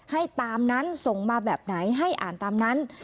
ให้ตามนั้นส่งมาแบบไหนให้อ่านตามนั้น